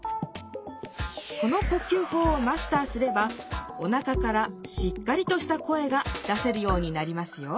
この呼吸法をマスターすればおなかからしっかりとした声が出せるようになりますよ